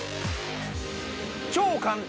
超簡単！